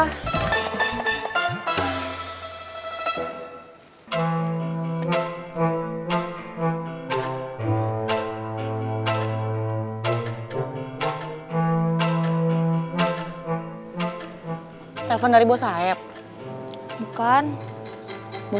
tuh perlu banding